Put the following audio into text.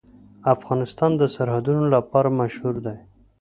افغانستان د سرحدونه لپاره مشهور دی.